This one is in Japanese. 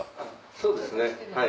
そうですねはい。